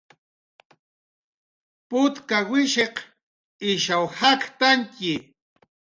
Putkawishiq ishaw jaktantantxi